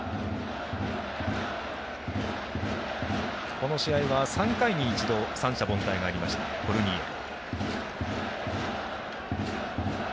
この試合は、３回に一度三者凡退がありましたコルニエル。